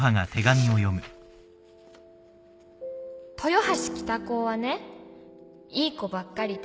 「豊橋北高はねいい子ばっかりで」